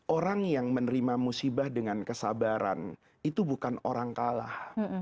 orang yang menerima musibah dengan kesabaran itu bukan orang kalah